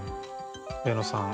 上野さん